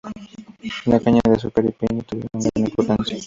La caña de azúcar y piña tuvieron gran importancia.